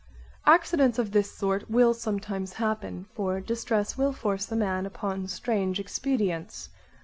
Accidents of this sort will sometimes happen; for distress will force a man upon strange expedients.